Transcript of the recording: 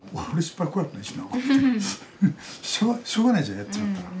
しょうがないでしょやっちまったら。